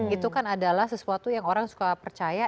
itu kan adalah sesuatu yang orang suka percaya